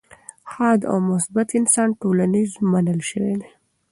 ښاد او مثبت انسان ټولنیز منل شوی دی.